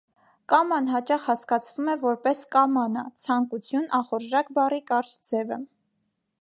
Կաման հաճախ հասկացվում է որպես կամանա (ցանկություն, ախորժակ) բառի կարճ ձևը։